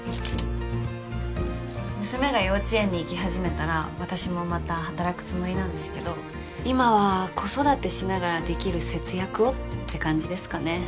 娘が幼稚園に行き始めたら私もまた働くつもりなんですけど今は子育てしながらできる節約をって感じですかね。